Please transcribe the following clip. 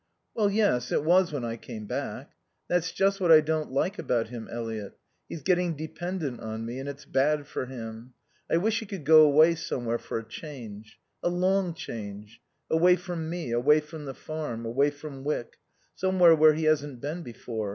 "Well, yes, it was when I came back. That's just what I don't like about him, Eliot. He's getting dependent on me, and it's bad for him. I wish he could go away somewhere for a change. A long change. Away from me, away from the farm, away from Wyck, somewhere where he hasn't been before.